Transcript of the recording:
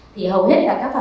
thì hầu hết là các văn phòng